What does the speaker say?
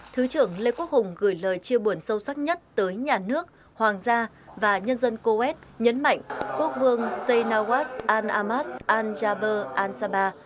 thứ trưởng lê quốc hùng gửi lời chia buồn sâu sắc nhất tới nhà nước hoàng gia và nhân dân coes nhấn mạnh quốc vương seynawas an amas an jaber an saba